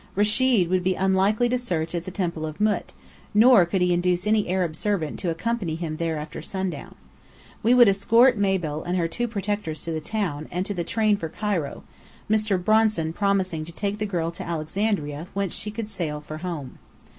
Rechid would be unlikely to search at the Temple of Mût, nor could he induce any Arab servant to accompany him there after sundown. We would escort Mabel and her two protectors to the town, and to the train for Cairo, Mr. Bronson promising to take the girl to Alexandria, whence she could sail for "home."